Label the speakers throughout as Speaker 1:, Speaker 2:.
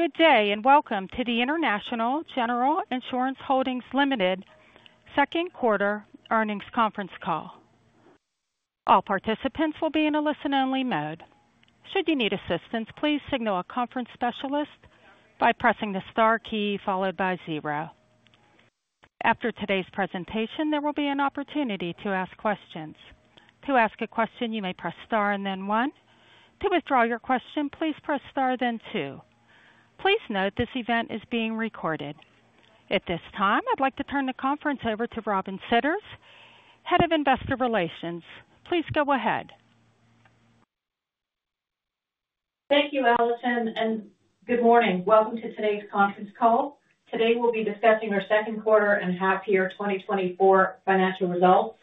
Speaker 1: Good day, and welcome to the International General Insurance Holdings Limited second quarter earnings conference call. All participants will be in a listen-only mode. Should you need assistance, please signal a conference specialist by pressing the star key followed by zero. After today's presentation, there will be an opportunity to ask questions. To ask a question, you may press star and then one. To withdraw your question, please press star, then two. Please note this event is being recorded. At this time, I'd like to turn the conference over to Robin Sidders, Head of Investor Relations. Please go ahead.
Speaker 2: Thank you, Allison, and good morning. Welcome to today's conference call. Today, we'll be discussing our second quarter and half year 2024 financial results.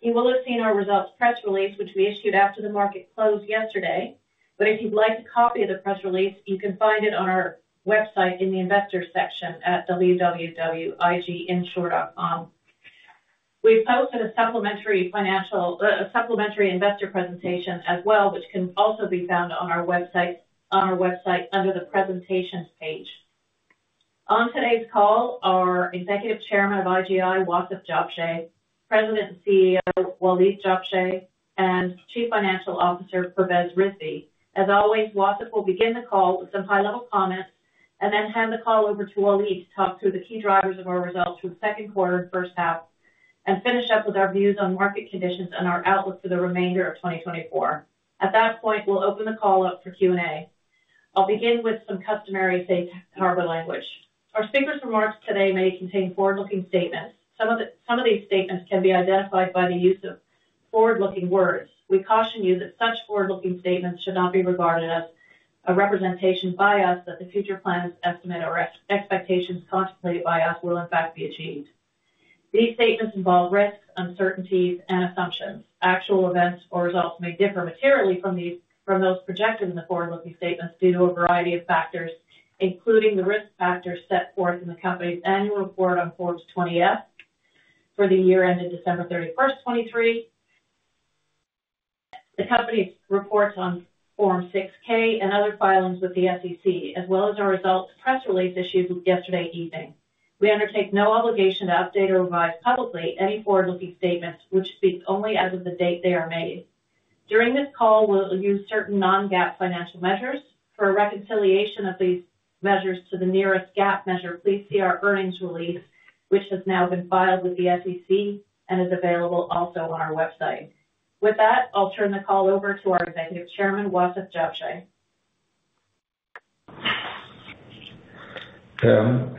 Speaker 2: You will have seen our results press release, which we issued after the market closed yesterday. But if you'd like a copy of the press release, you can find it on our website in the Investors section at www.iginsure.com. We've posted a supplementary investor presentation as well, which can also be found on our website, on our website under the Presentations page. On today's call, our Executive Chairman of IGI, Wasef Jabsheh, President and CEO, Waleed Jabsheh, and Chief Financial Officer, Pervez Rizvi. As always, Wasef will begin the call with some high-level comments and then hand the call over to Waleed to talk through the key drivers of our results for the second quarter and first half, and finish up with our views on market conditions and our outlook for the remainder of 2024. At that point, we'll open the call up for Q&A. I'll begin with some customary safe harbor language. Our speakers' remarks today may contain forward-looking statements. Some of these statements can be identified by the use of forward-looking words. We caution you that such forward-looking statements should not be regarded as a representation by us that the future plans, estimates, or expectations contemplated by us will, in fact, be achieved. These statements involve risks, uncertainties, and assumptions. Actual events or results may differ materially from these, from those projected in the forward-looking statements due to a variety of factors, including the risk factors set forth in the company's annual report on Form 20-F for the year ended December 31, 2023, the company's reports on Form 6-K and other filings with the SEC, as well as our results press release issued yesterday evening. We undertake no obligation to update or revise publicly any forward-looking statements, which speaks only as of the date they are made. During this call, we'll use certain non-GAAP financial measures. For a reconciliation of these measures to the nearest GAAP measure, please see our earnings release, which has now been filed with the SEC and is available also on our website. With that, I'll turn the call over to our Executive Chairman, Wasef Jabsheh.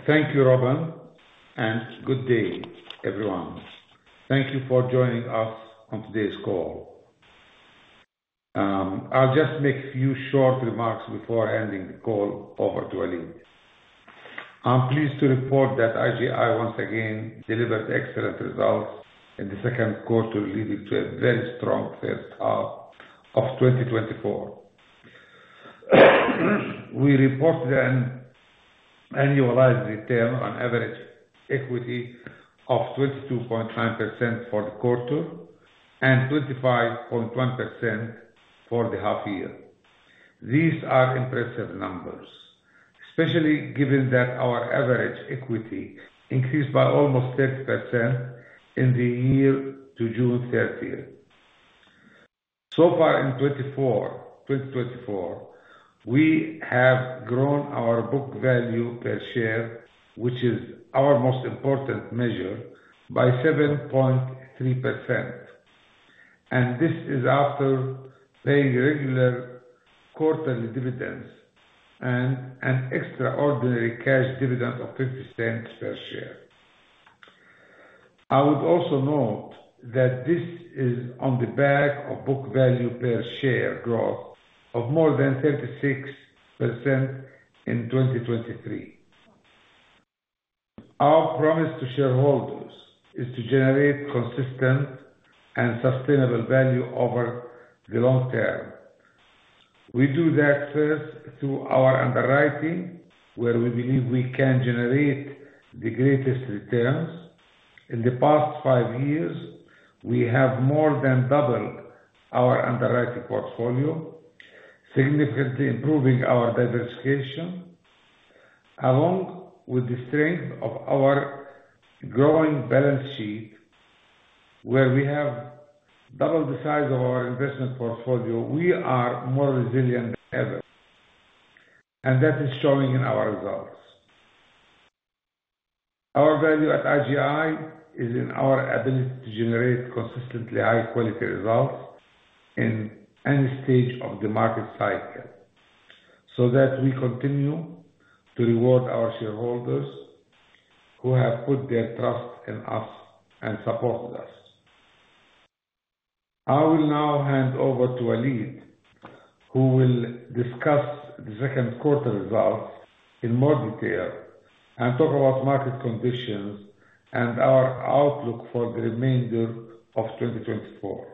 Speaker 3: Thank you, Robin, and good day, everyone. Thank you for joining us on today's call. I'll just make a few short remarks before handing the call over to Waleed. I'm pleased to report that IGI once again delivered excellent results in the second quarter, leading to a very strong first half of 2024. We reported an annualized return on average equity of 22.9% for the quarter and 25.1% for the half year. These are impressive numbers, especially given that our average equity increased by almost 30% in the year to June 30. So far in 2024, we have grown our book value per share, which is our most important measure, by 7.3%, and this is after paying regular quarterly dividends and an extraordinary cash dividend of $0.50 per share. I would also note that this is on the back of book value per share growth of more than 36% in 2023. Our promise to shareholders is to generate consistent and sustainable value over the long term. We do that first through our underwriting, where we believe we can generate the greatest returns. In the past 5 years, we have more than doubled our underwriting portfolio, significantly improving our diversification. Along with the strength of our growing balance sheet, where we have doubled the size of our investment portfolio, we are more resilient than ever, and that is showing in our results. Our value at IGI is in our ability to generate consistently high-quality results in any stage of the market cycle, so that we continue to reward our shareholders who have put their trust in us and supported us. I will now hand over to Waleed, who will discuss the second quarter results in more detail and talk about market conditions and our outlook for the remainder of 2024.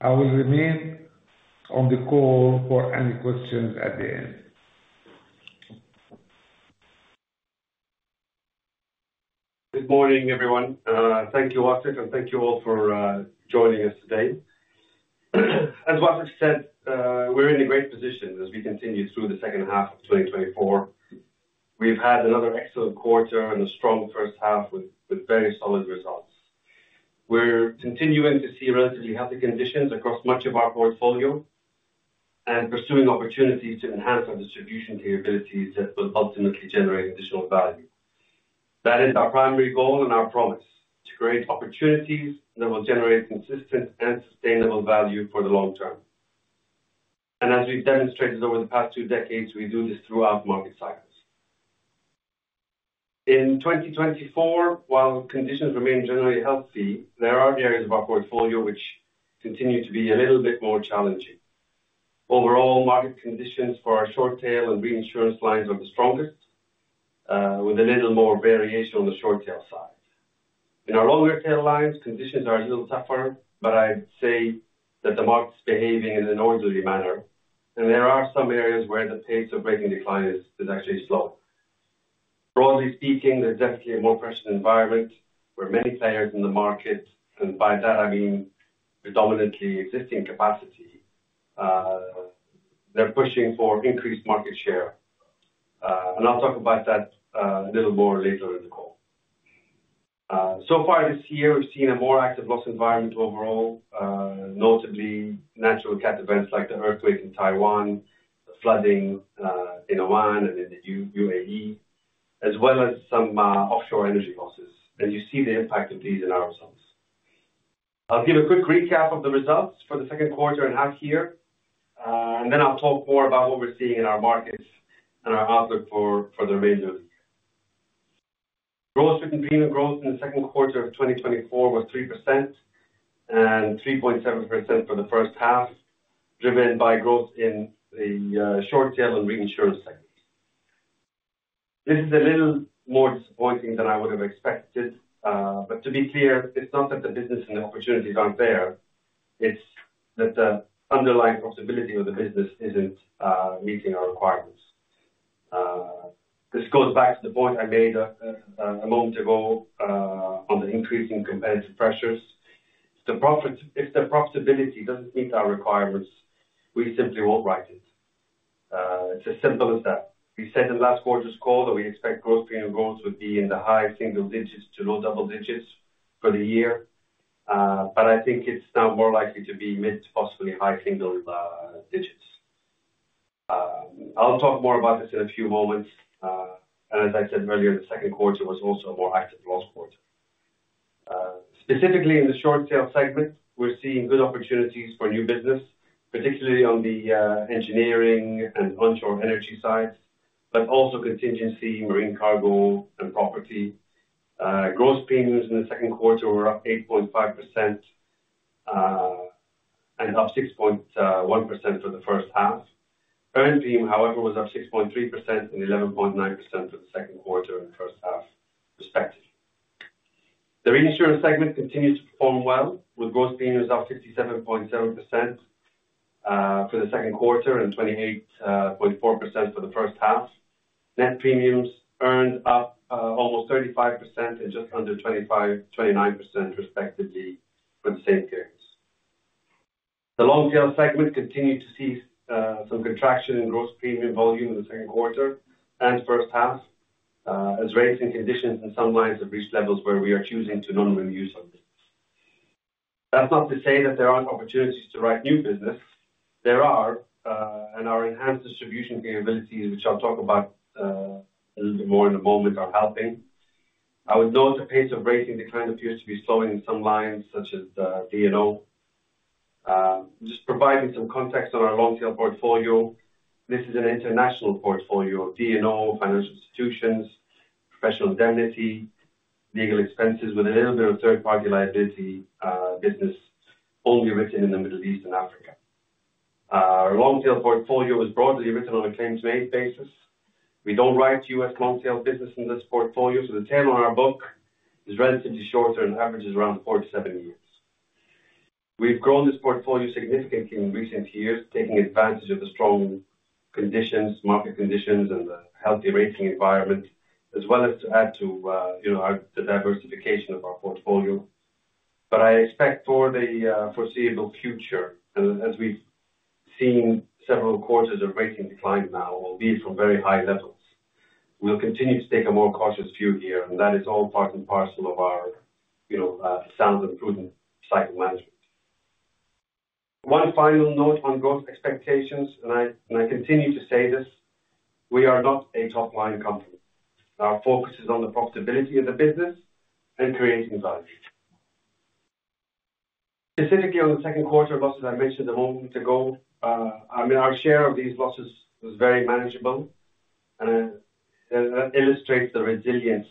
Speaker 3: I will remain on the call for any questions at the end.
Speaker 4: Good morning, everyone. Thank you, Wasef, and thank you all for joining us today. As Wasef said, we're in a great position as we continue through the second half of 2024. We've had another excellent quarter and a strong first half with very solid results. We're continuing to see relatively healthy conditions across much of our portfolio and pursuing opportunities to enhance our distribution capabilities that will ultimately generate additional value. That is our primary goal and our promise: to create opportunities that will generate consistent and sustainable value for the long term. And as we've demonstrated over the past two decades, we do this throughout market cycles. In 2024, while conditions remain generally healthy, there are areas of our portfolio which continue to be a little bit more challenging. Overall, market conditions for our short tail and reinsurance lines are the strongest, with a little more variation on the short tail side. In our longer tail lines, conditions are a little tougher, but I'd say that the market's behaving in an orderly manner, and there are some areas where the pace of rating decline is actually slow. Broadly speaking, there's definitely a more promotional environment where many players in the market, and by that I mean predominantly existing capacity, they're pushing for increased market share. And I'll talk about that a little more later in the call. So far this year, we've seen a more active loss environment overall, notably natural cat events like the earthquake in Taiwan, the flooding in Oman and in the UAE, as well as some offshore energy losses. You see the impact of these in our results. I'll give a quick recap of the results for the second quarter and half year, and then I'll talk more about what we're seeing in our markets and our outlook for the remainder. Gross premium growth in the second quarter of 2024 was 3%, and 3.7% for the first half, driven by growth in the Short Tail and Reinsurance segments. This is a little more disappointing than I would have expected, but to be clear, it's not that the business and the opportunities aren't there, it's that the underlying profitability of the business isn't meeting our requirements. This goes back to the point I made a moment ago on the increasing competitive pressures. If the profitability doesn't meet our requirements, we simply won't write it. It's as simple as that. We said in last quarter's call that we expect premium growth would be in the high single digits to low double digits for the year, but I think it's now more likely to be mid, possibly high single, digits. I'll talk more about this in a few moments, and as I said earlier, the second quarter was also a more active loss quarter. Specifically in the short tail segment, we're seeing good opportunities for new business, particularly on the engineering and onshore energy sides, but also contingency, marine cargo and property. Gross premiums in the second quarter were up 8.5%, and up 6.1% for the first half. Earned premium, however, was up 6.3% and 11.9% for the second quarter and first half, respectively. The reinsurance segment continues to perform well, with gross premiums up 57.7% for the second quarter and 28.4% for the first half. Net premiums earned up almost 35% and just under 29% respectively for the same periods. The long tail segment continued to see some contraction in gross premium volume in the second quarter and first half as rates and conditions in some lines have reached levels where we are choosing to not renew some business. That's not to say that there aren't opportunities to write new business. There are, and our enhanced distribution capabilities, which I'll talk about a little bit more in a moment, are helping. I would note the pace of rating decline appears to be slowing in some lines, such as D&O. Just providing some context on our Long Tail portfolio. This is an international portfolio of D&O, Financial Institutions, Professional Indemnity, Legal Expenses, with a little bit of Third-Party Liability business only written in the Middle East and Africa. Our Long Tail portfolio was broadly written on a claims-made basis. We don't write U.S. Long Tail business in this portfolio, so the tail on our book is relatively shorter and averages around 4-7 years. We've grown this portfolio significantly in recent years, taking advantage of the strong conditions, market conditions, and the healthy rating environment, as well as to add to, you know, our, the diversification of our portfolio. But I expect for the foreseeable future, as, as we've seen several quarters of rating decline now, albeit from very high levels, we'll continue to take a more cautious view here, and that is all part and parcel of our, you know, sound and prudent cycle management. One final note on growth expectations, and I, and I continue to say this, we are not a top-line company. Our focus is on the profitability of the business and creating value. Specifically, on the second quarter losses I mentioned a moment ago, I mean, our share of these losses was very manageable and illustrates the resilience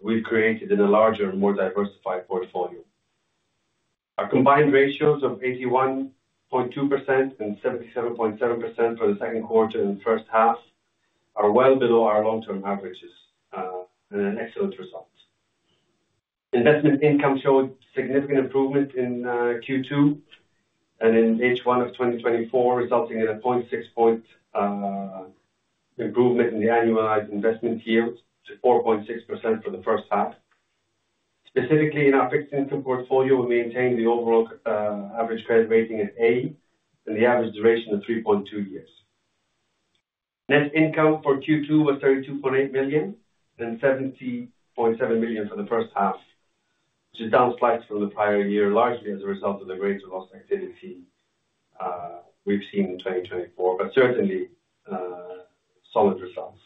Speaker 4: we've created in a larger and more diversified portfolio. Our combined ratios of 81.2% and 77.7% for the second quarter and first half are well below our long-term averages, and an excellent result. Investment income showed significant improvement in Q2 and in H1 of 2024, resulting in a 0.6 point improvement in the annualized investment yield to 4.6% for the first half. Specifically, in our fixed income portfolio, we maintained the overall average credit rating at A and the average duration of 3.2 years. Net income for Q2 was $32.8 million, then $70.7 million for the first half, which is down slightly from the prior year, largely as a result of the greater loss activity we've seen in 2024, but certainly solid results.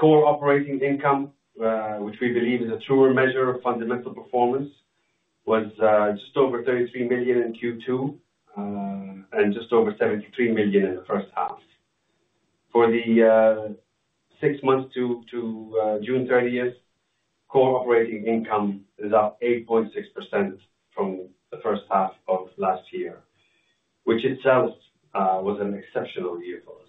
Speaker 4: Core operating income, which we believe is a truer measure of fundamental performance, was just over $33 million in Q2, and just over $73 million in the first half. For the six months to June 30th, core operating income is up 8.6% from the first half of last year, which itself was an exceptional year for us.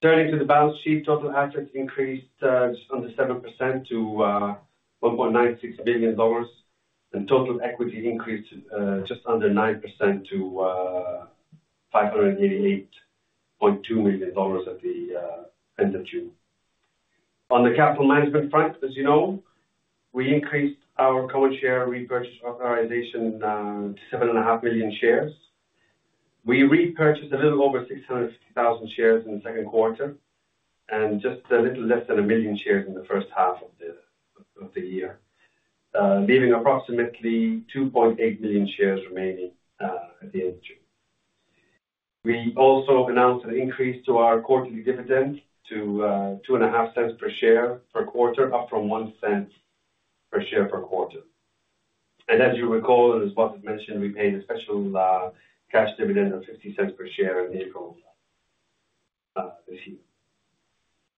Speaker 4: Turning to the balance sheet, total assets increased just under 7% to $1.96 billion, and total equity increased just under 9% to $588.2 million at the end of June. On the capital management front, as you know, we increased our common share repurchase authorization to 7.5 million shares. We repurchased a little over 660,000 shares in the second quarter, and just a little less than 1 million shares in the first half of the year, leaving approximately 2.8 million shares remaining at the end of June. We also announced an increase to our quarterly dividend to $0.025 per share per quarter, up from $0.01 per share per quarter. As you recall, as was mentioned, we paid a special cash dividend of $0.50 per share in April this year.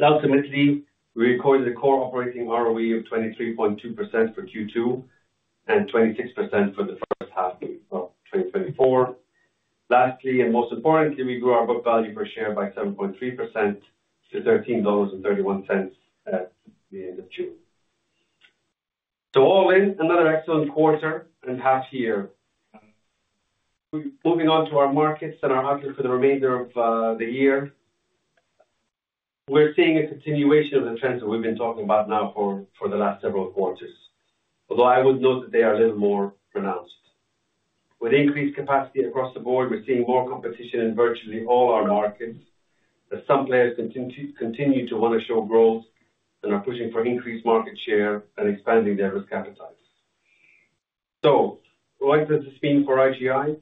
Speaker 4: Ultimately, we recorded a core operating ROE of 23.2% for Q2, and 26% for the first half of 2024. Lastly, and most importantly, we grew our book value per share by 7.3% to $13.31 at the end of June. So all in, another excellent quarter and half year. Moving on to our markets and our outlook for the remainder of the year. We're seeing a continuation of the trends that we've been talking about now for the last several quarters, although I would note that they are a little more pronounced. With increased capacity across the board, we're seeing more competition in virtually all our markets, as some players continue to want to show growth and are pushing for increased market share and expanding their risk appetite. So what does this mean for IGI?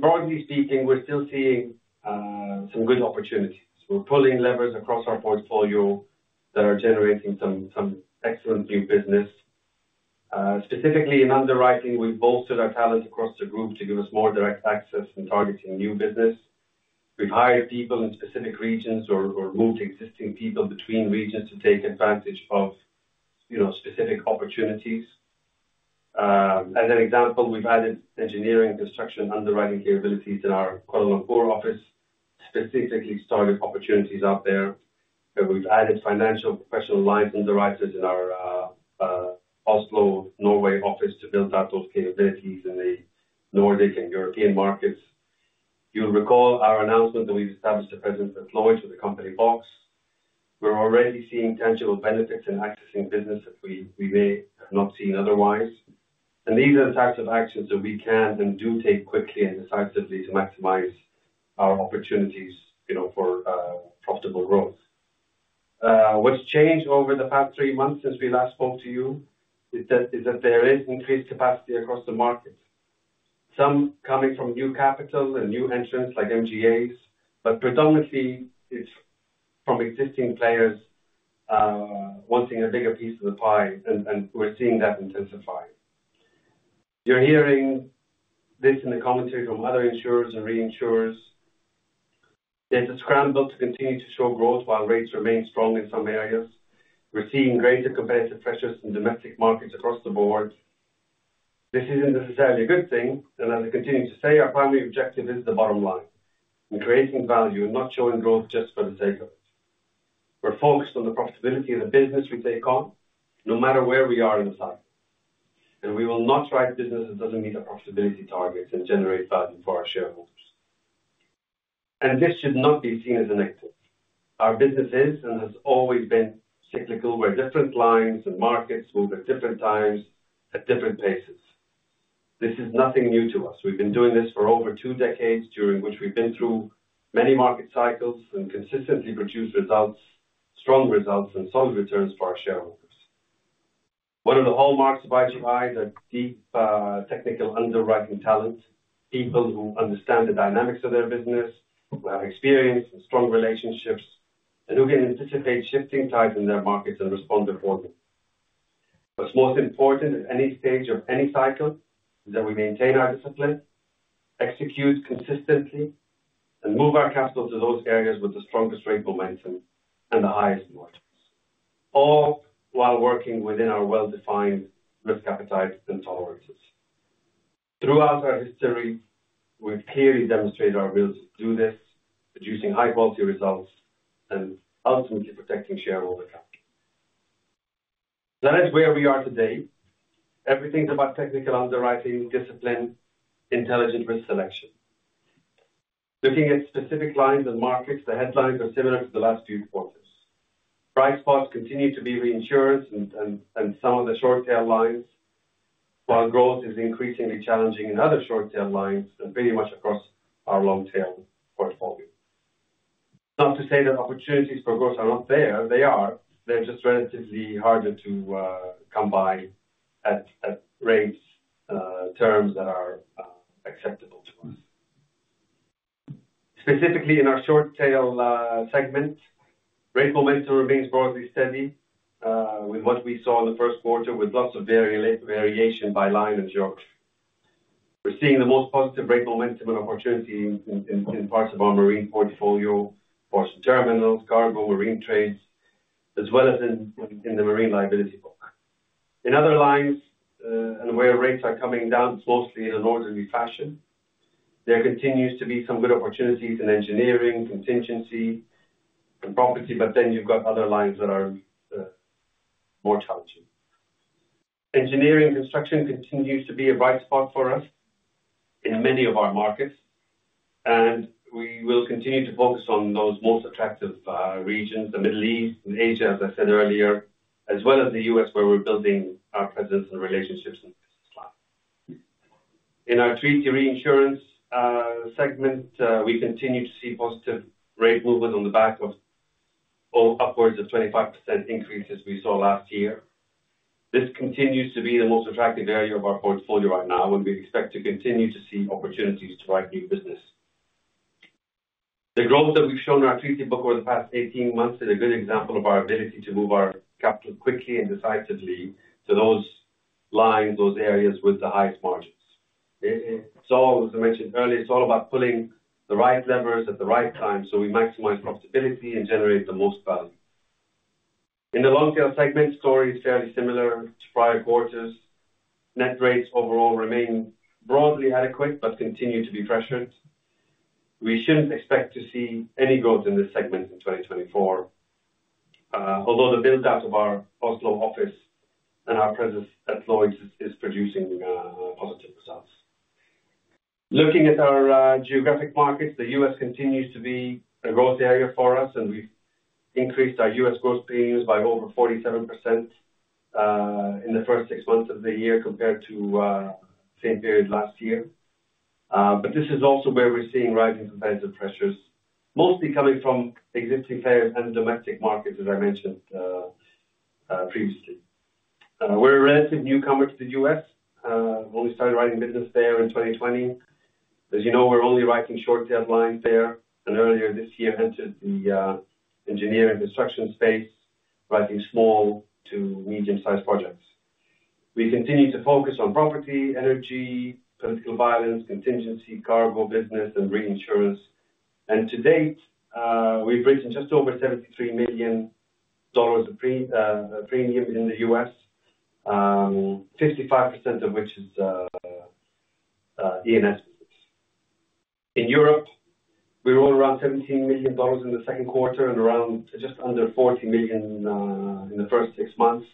Speaker 4: Broadly speaking, we're still seeing some good opportunities. We're pulling levers across our portfolio that are generating some excellent new business. Specifically in underwriting, we've bolstered our talent across the group to give us more direct access in targeting new business. We've hired people in specific regions or moved existing people between regions to take advantage of, you know, specific opportunities. As an example, we've added engineering and construction underwriting capabilities in our Kuala Lumpur office, specifically to target opportunities out there. We've added financial professional lines and directors in our Oslo, Norway office to build out those capabilities in the Nordic and European markets. You'll recall our announcement that we've established a presence at Lloyd's with the Company Box. We're already seeing tangible benefits in accessing businesses we may have not seen otherwise. These are the types of actions that we can and do take quickly and decisively to maximize our opportunities, you know, for profitable growth. What's changed over the past three months since we last spoke to you is that, is that there is increased capacity across the market, some coming from new capital and new entrants like MGAs, but predominantly it's from existing players, wanting a bigger piece of the pie, and, and we're seeing that intensify. You're hearing this in the commentary from other insurers and reinsurers. There's a scramble to continue to show growth while rates remain strong in some areas. We're seeing greater competitive pressures in domestic markets across the board. This isn't necessarily a good thing, and as I continue to say, our primary objective is the bottom line, in creating value and not showing growth just for the sake of it. We're focused on the profitability of the business we take on, no matter where we are in the cycle. We will not write business that doesn't meet our profitability targets and generate value for our shareholders. This should not be seen as a negative. Our business is, and has always been cyclical, where different lines and markets move at different times at different paces. This is nothing new to us. We've been doing this for over two decades, during which we've been through many market cycles and consistently produced results, strong results, and solid returns for our shareholders. One of the hallmarks of IGI is a deep technical underwriting talent, people who understand the dynamics of their business, experience and strong relationships, and who can anticipate shifting tides in their markets and respond accordingly. What's most important at any stage of any cycle is that we maintain our discipline, execute consistently, and move our capital to those areas with the strongest rate momentum and the highest margins, all while working within our well-defined risk appetites and tolerances... Throughout our history, we've clearly demonstrated our ability to do this, producing high-quality results and ultimately protecting shareholder value. That is where we are today. Everything's about technical underwriting, discipline, intelligent risk selection. Looking at specific lines and markets, the headlines are similar to the last few quarters. Bright spots continue to be reinsurance and some of the short tail lines, while growth is increasingly challenging in other short tail lines and pretty much across our long tail portfolio. Not to say that opportunities for growth are not there, they are. They're just relatively harder to come by at rates, terms that are acceptable to us. Specifically, in our Short Tail segment, rate momentum remains broadly steady with what we saw in the first quarter, with lots of variation by line and geography. We're seeing the most positive rate momentum and opportunity in parts of our Marine portfolio, Ports and Terminals, Cargo, Marine Trades, as well as in the Marine Liability book. In other lines and where rates are coming down, mostly in an orderly fashion, there continues to be some good opportunities in Engineering, Contingency, and Property, but then you've got other lines that are more challenging. Engineering construction continues to be a bright spot for us in many of our markets, and we will continue to focus on those most attractive regions, the Middle East and Asia, as I said earlier, as well as the U.S., where we're building our presence and relationships in this class. In our treaty reinsurance segment, we continue to see positive rate movement on the back of upwards of 25% increases we saw last year. This continues to be the most attractive area of our portfolio right now, and we expect to continue to see opportunities to write new business. The growth that we've shown in our treaty book over the past eighteen months is a good example of our ability to move our capital quickly and decisively to those lines, those areas with the highest margins. It's all, as I mentioned earlier, it's all about pulling the right levers at the right time, so we maximize profitability and generate the most value. In the long tail segment, story is fairly similar to prior quarters. Net rates overall remain broadly adequate, but continue to be pressured. We shouldn't expect to see any growth in this segment in 2024, although the build-out of our Oslo office and our presence at Lloyd's is producing positive results. Looking at our geographic markets, the U.S. continues to be a growth area for us, and we've increased our U.S. gross premiums by over 47% in the first six months of the year compared to same period last year. But this is also where we're seeing rising competitive pressures, mostly coming from existing players and domestic markets, as I mentioned previously. We're a relative newcomer to the U.S., only started writing business there in 2020. As you know, we're only writing short tail lines there, and earlier this year entered the engineering construction space, writing small to medium-sized projects. We continue to focus on property, energy, political violence, contingency, cargo business and reinsurance. To date, we've written just over $73 million of premium in the U.S., 55% of which is E&S. In Europe, we were around $17 million in the second quarter and around just under $40 million in the first six months.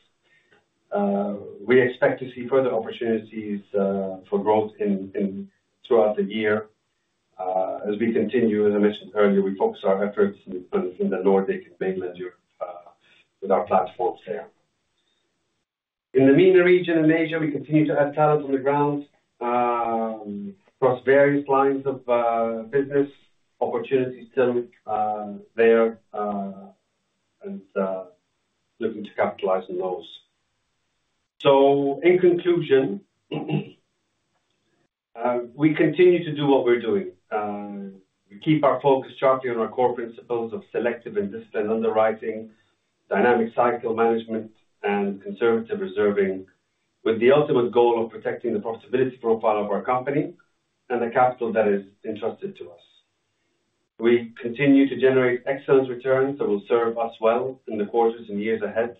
Speaker 4: We expect to see further opportunities for growth throughout the year. As we continue, as I mentioned earlier, we focus our efforts in the Nordic and mainland Europe with our platforms there. In the MENA region and Asia, we continue to add talent on the ground, across various lines of business opportunities still there, and looking to capitalize on those. So in conclusion, we continue to do what we're doing. We keep our focus sharply on our core principles of selective and disciplined underwriting, dynamic cycle management, and conservative reserving, with the ultimate goal of protecting the profitability profile of our company and the capital that is entrusted to us. We continue to generate excellent returns that will serve us well in the quarters and years ahead,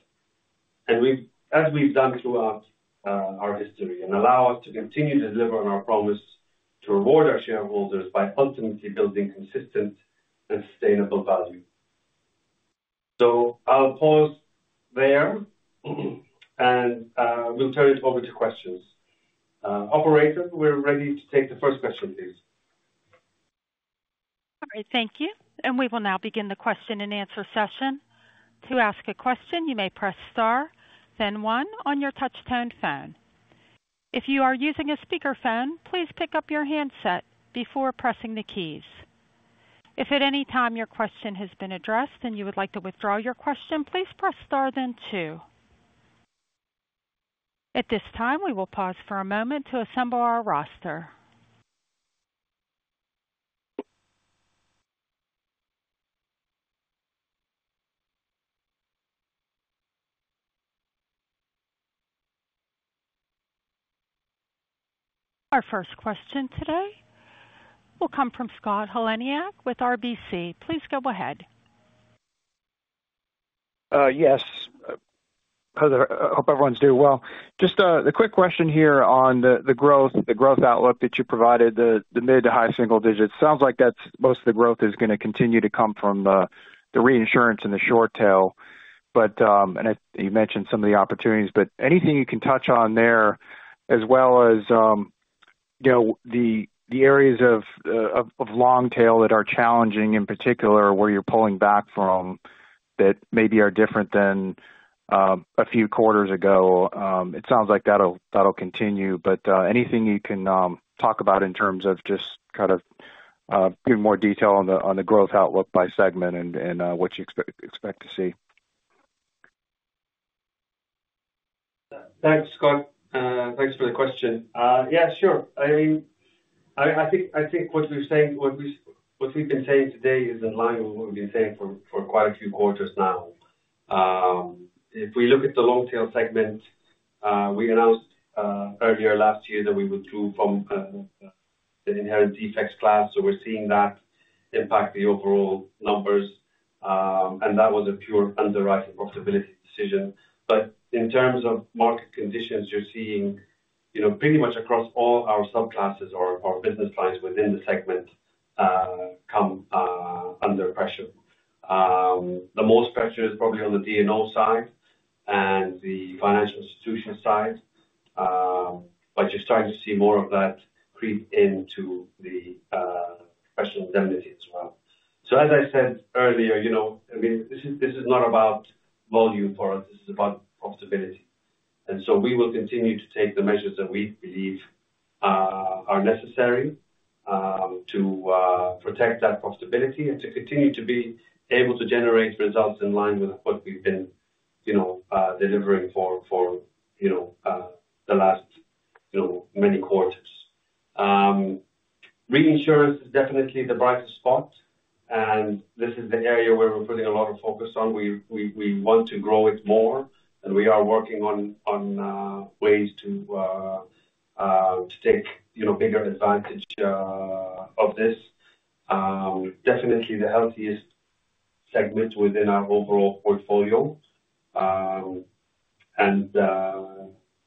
Speaker 4: and, as we've done throughout our history, allow us to continue to deliver on our promise to reward our shareholders by ultimately building consistent and sustainable value. So I'll pause there, and we'll turn it over to questions.
Speaker 1: Operator, we're ready to take the first question, please. All right, thank you. We will now begin the question-and-answer session. To ask a question, you may press star, then one on your touchtone phone. If you are using a speakerphone, please pick up your handset before pressing the keys. If at any time your question has been addressed and you would like to withdraw your question, please press star, then two. At this time, we will pause for a moment to assemble our roster. Our first question today will come from Scott Heleniak with RBC. Please go ahead....
Speaker 5: Yes. I hope everyone's doing well. Just a quick question here on the growth outlook that you provided, the mid- to high-single digits. Sounds like that's most of the growth is going to continue to come from the reinsurance and the short tail. But, and I—you mentioned some of the opportunities, but anything you can touch on there as well as, you know, the areas of long tail that are challenging, in particular, where you're pulling back from, that maybe are different than a few quarters ago. It sounds like that'll continue, but anything you can talk about in terms of just kind of give more detail on the growth outlook by segment and what you expect to see?
Speaker 4: Thanks, Scott. Thanks for the question. Yeah, sure. I mean, I think what we're saying, what we've been saying today is in line with what we've been saying for quite a few quarters now. If we look at the Long Tail segment, we announced earlier last year that we withdrew from the Inherent Defects class, so we're seeing that impact the overall numbers. And that was a pure underwriting profitability decision. But in terms of market conditions, you're seeing, you know, pretty much across all our subclasses or our business lines within the segment come under pressure. The most pressure is probably on the D&O side and the Financial Institutions side, but you're starting to see more of that creep into the Professional Indemnity as well. So as I said earlier, you know, I mean, this is not about volume for us, this is about profitability. And so we will continue to take the measures that we believe are necessary to protect that profitability and to continue to be able to generate results in line with what we've been, you know, delivering for, you know, the last, you know, many quarters. Reinsurance is definitely the brightest spot, and this is the area where we're putting a lot of focus on. We want to grow it more, and we are working on ways to take, you know, bigger advantage of this. Definitely the healthiest segment within our overall portfolio.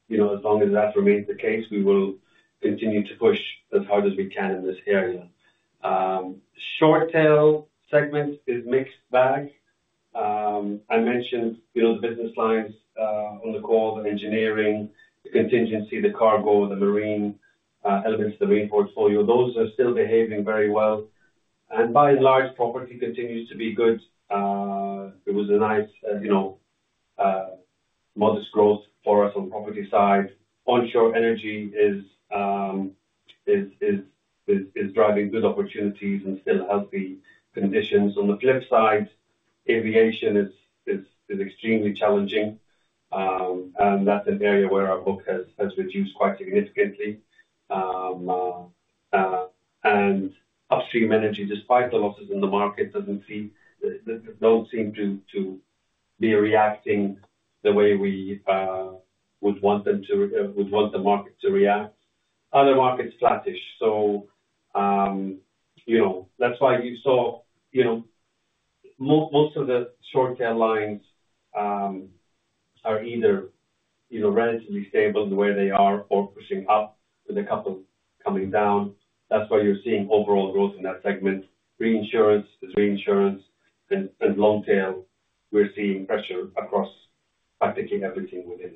Speaker 4: You know, as long as that remains the case, we will continue to push as hard as we can in this area. Short tail segment is mixed bag. I mentioned, you know, the business lines, on the call, the engineering, the contingency, the cargo, the marine, elements of the marine portfolio. Those are still behaving very well. And by and large, property continues to be good. It was a nice, you know, modest growth for us on property side. Onshore energy is driving good opportunities and still healthy conditions. On the flip side, aviation is extremely challenging, and that's an area where our book has reduced quite significantly. And upstream energy, despite the losses in the market, doesn't seem to be reacting the way we would want them to, would want the market to react. Other markets, flattish. So, you know, that's why you saw, you know, most of the short tail lines are either, you know, relatively stable where they are or pushing up, with a couple coming down. That's why you're seeing overall growth in that segment. Reinsurance, the reinsurance and long tail, we're seeing pressure across practically everything within.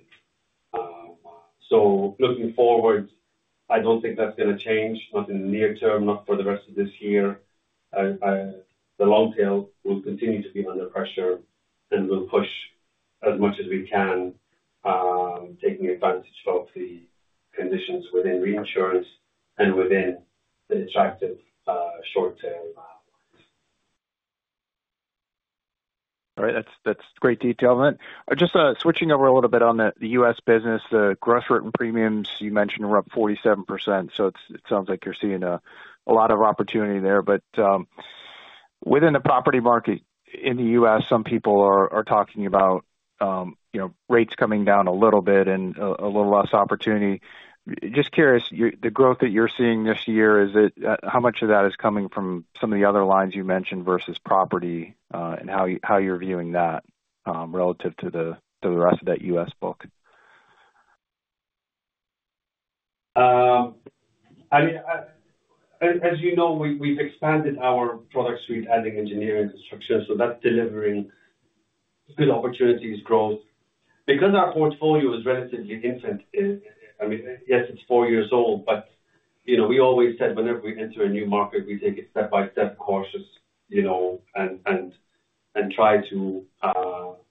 Speaker 4: So looking forward, I don't think that's going to change, not in the near term, not for the rest of this year. The long tail will continue to be under pressure, and we'll push as much as we can, taking advantage of the conditions within reinsurance and within the attractive, short tail lines.
Speaker 5: All right. That's, that's great detail on it. Just switching over a little bit on the U.S. business, the gross written premiums you mentioned were up 47%, so it sounds like you're seeing a lot of opportunity there. But within the property market in the U.S., some people are talking about, you know, rates coming down a little bit and a little less opportunity. Just curious, the growth that you're seeing this year, is it how much of that is coming from some of the other lines you mentioned versus property and how you're viewing that relative to the rest of that U.S. book?
Speaker 4: As you know, we've expanded our product suite, adding engineering and construction, so that's delivering good opportunities, growth. Because our portfolio is relatively infant, I mean, yes, it's four years old, but you know, we always said whenever we enter a new market, we take it step by step cautious, you know, and try to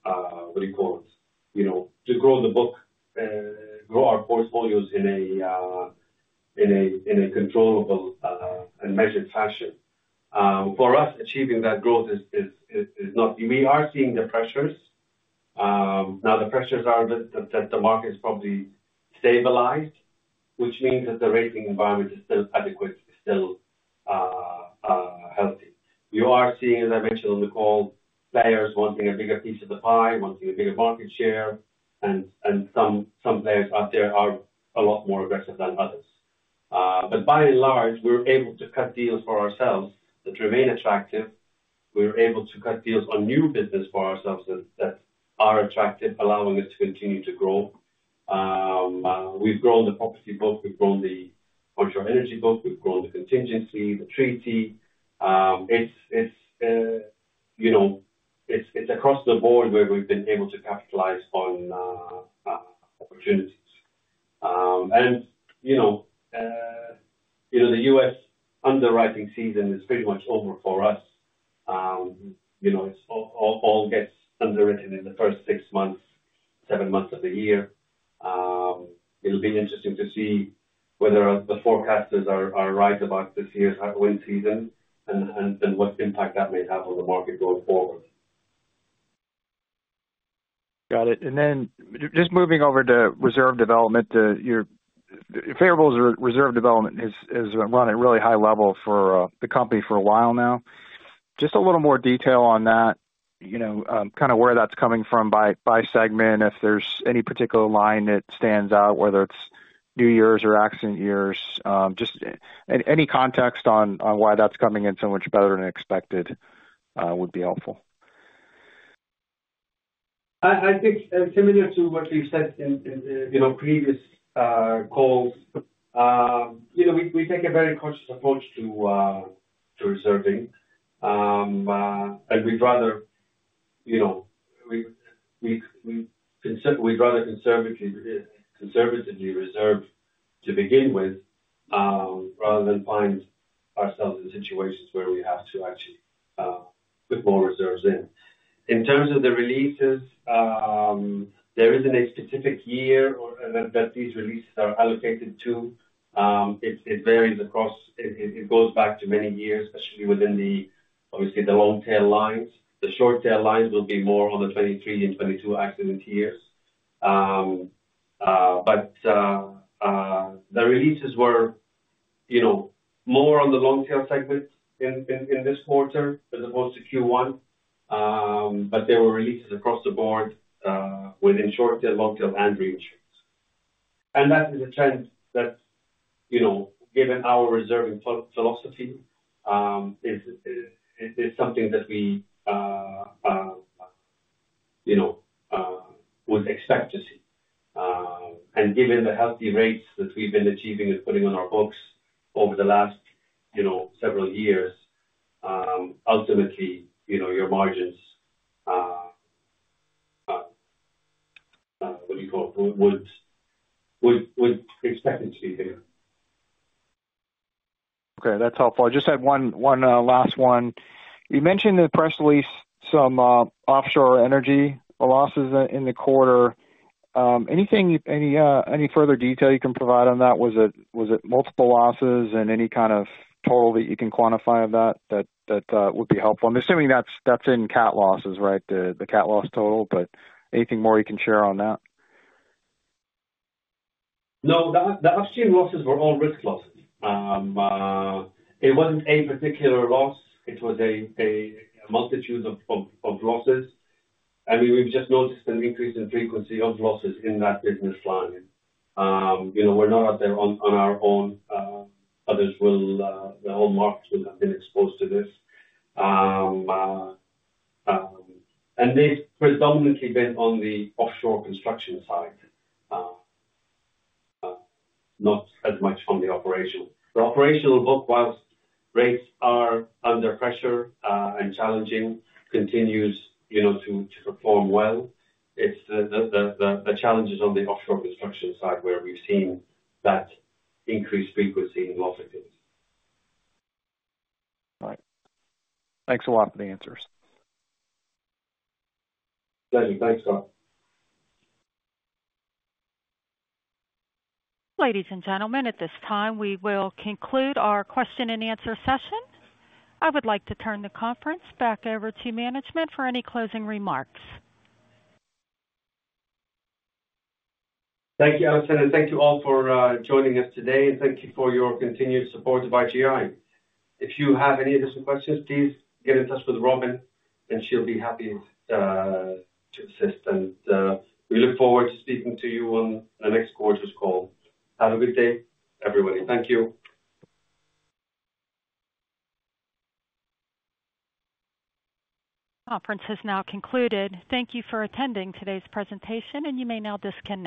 Speaker 4: what do you call it? You know, to grow the book, grow our portfolios in a controllable and measured fashion. For us, achieving that growth is not. We are seeing the pressures. Now, the pressures are that the market is probably stabilized, which means that the rating environment is still adequate, is still healthy. We are seeing, as I mentioned on the call, players wanting a bigger piece of the pie, wanting a bigger market share, and some players out there are a lot more aggressive than others. But by and large, we're able to cut deals for ourselves that remain attractive. We're able to cut deals on new business for ourselves that are attractive, allowing us to continue to grow. We've grown the property book, we've grown the offshore energy book, we've grown the contingency, the treaty. It's across the board, you know, where we've been able to capitalize on opportunities. And you know, the U.S. underwriting season is pretty much over for us. You know, it's all gets underwritten in the first six months, seven months of the year. It'll be interesting to see whether the forecasters are right about this year's wind season and then what impact that may have on the market going forward.
Speaker 5: Got it. And then just moving over to reserve development, your favorable reserve development is run at a really high level for the company for a while now. Just a little more detail on that, you know, kind of where that's coming from by segment, if there's any particular line that stands out, whether it's newer years or accident years, just any context on why that's coming in so much better than expected would be helpful.
Speaker 4: I think similar to what we've said in, in, you know, previous calls, you know, we take a very conscious approach to to reserving. And we'd rather, you know, we, we'd rather conservatively reserve to begin with, rather than find ourselves in situations where we have to actually put more reserves in. In terms of the releases, there isn't a specific year or that these releases are allocated to. It varies across... It goes back to many years, especially within the, obviously, the long tail lines. The short tail lines will be more on the 2023 and 2022 accident years. But the releases were, you know, more on the long tail segment in this quarter as opposed to Q1. But there were releases across the board within Short Tail, Long Tail and Reinsurance. And that is a trend that, you know, given our reserving philosophy, is something that we, you know, would expect to see. And given the healthy rates that we've been achieving and putting on our books over the last, you know, several years, ultimately, you know, your margins—what do you call it?—would expect to see there.
Speaker 5: Okay, that's helpful. I just have one last one. You mentioned in the press release some offshore energy losses in the quarter. Any further detail you can provide on that? Was it multiple losses and any kind of total that you can quantify of that would be helpful. I'm assuming that's in cat losses, right? The cat loss total, but anything more you can share on that?
Speaker 4: No, the offshore losses were all risk losses. It wasn't a particular loss, it was a multitude of losses, and we've just noticed an increase in frequency of losses in that business line. You know, we're not out there on our own. Others will, the whole market will have been exposed to this. And they've predominantly been on the offshore construction side, not as much on the operational. The operational book, while rates are under pressure and challenging, continues, you know, to perform well. It's the challenges on the offshore construction side where we've seen that increased frequency in loss of business.
Speaker 5: Right. Thanks a lot for the answers. Thank you. Thanks, Scott.
Speaker 1: Ladies and gentlemen, at this time, we will conclude our question and answer session. I would like to turn the conference back over to management for any closing remarks.
Speaker 3: Thank you, Allison, and thank you all for joining us today. Thank you for your continued support of IGI. If you have any additional questions, please get in touch with Robin, and she'll be happy to assist. We look forward to speaking to you on the next quarters call. Have a good day, everybody. Thank you.
Speaker 1: Conference has now concluded. Thank you for attending today's presentation, and you may now disconnect.